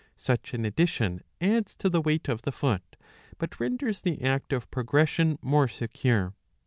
Such an addition adds to the weight of 690a. iv. 10, 125 the foot, but renders the act of progression more secure.